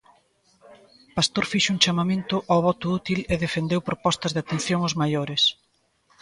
Pastor fixo un chamamento o voto útil e defendeu propostas de atención os maiores.